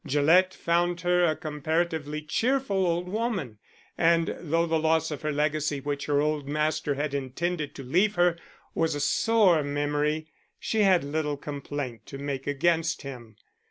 Gillett found her a comparatively cheerful old woman, and, though the loss of her legacy which her old master had intended to leave her was a sore memory, she had little complaint to make against him.